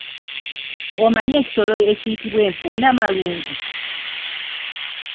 Omanyi ekisolo ekiyitibwa empuuna malungu?